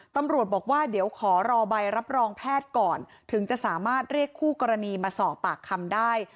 ตำรวจบอกว่าเดี๋ยวขอรอใบรับรองแพทย์ก่อนถึงจะสามารถเรียกคู่กรณีมาสอบปากคำได้